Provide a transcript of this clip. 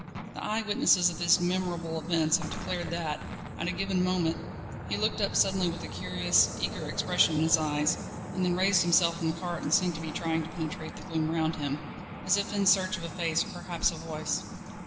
The eye witnesses of these memorable events have declared that, at a given moment, he looked up suddenly with a curious, eager expression in his eyes, and then raised himself in the cart and seemed to be trying to penetrate the gloom round him, as if in search of a face, or perhaps a voice.